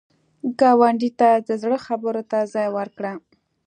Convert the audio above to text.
ګاونډي ته د زړه خبرو ته ځای ورکړه